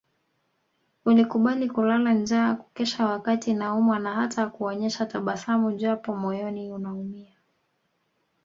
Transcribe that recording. Ulikubali kulala njaa kukesha wakati naumwa na hata kuonyesha tabasamu japo moyoni unaumia